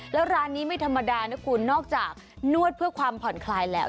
แล้วร้านนี้ไม่ธรรมดานะคุณนอกจากนวดเพื่อความผ่อนคลายแล้ว